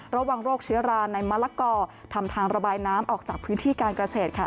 ระวังโรคเชื้อราในมะละกอทำทางระบายน้ำออกจากพื้นที่การเกษตรค่ะ